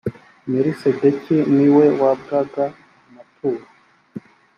melisedeki niwe wabwaga amaturo.